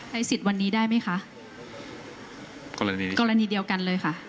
สิทธิ์วันนี้ได้ไหมคะกรณีกรณีเดียวกันเลยค่ะ